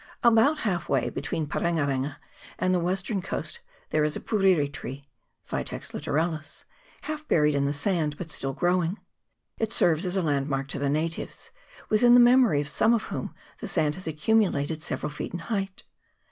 About half way between Parenga renga and the western coast there is a puriri tree (Vitex litoralis) half bu ried in the sand, but still growing ; it serves as a landmark to the natives, within the memory of some of whom the sand has accumulated several feet in height.